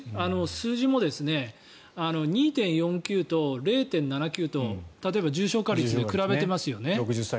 数字も２．４９と０．７９と例えば重症化率で比べていますよね。